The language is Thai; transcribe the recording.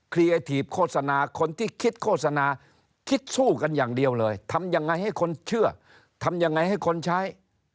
ไอ้ถีบโฆษณาคนที่คิดโฆษณาคิดสู้กันอย่างเดียวเลยทำยังไงให้คนเชื่อทำยังไงให้คนใช้